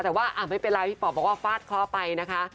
แต่ว่าไม่เป็นไรพี่ป๋อบอกว่าฟาดเคราะห์ไปนะคะ